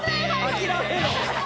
諦めろ！